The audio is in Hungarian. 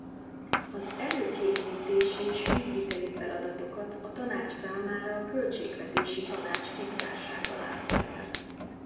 Az előkészítési és ügyviteli feladatokat a Tanács számára a Költségvetési Tanács Titkársága látja el.